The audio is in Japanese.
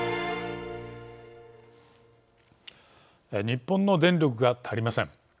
日本の電力が足りません。